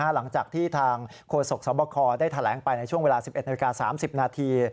หลังจากที่ทางโฆษกสบคได้แถลงไปในช่วงเวลา๑๑นาฬิกา๓๐นาที